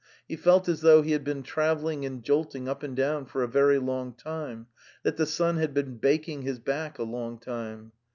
He felt as though he had been travelling and jolting up and down for a very long time, that the sun had been baking his back a long time.